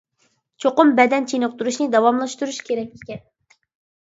چوقۇم بەدەن چېنىقتۇرۇشنى داۋاملاشتۇرۇش كېرەك ئىكەن.